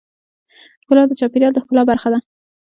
ګلان د چاپېریال د ښکلا برخه ده.